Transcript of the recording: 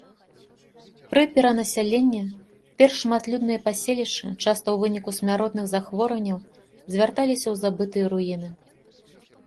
Пры перанасяленне перш шматлюдныя паселішчы часта ў выніку смяротных захворванняў звярталіся ў забытыя руіны.